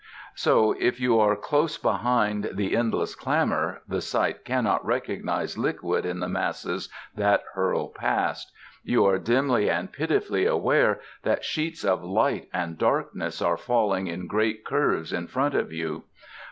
So, if you are close behind the endless clamor, the sight cannot recognize liquid in the masses that hurl past. You are dimly and pitifully aware that sheets of light and darkness are falling in great curves in front of you.